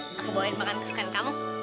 nih aku bawain makan kesukaan kamu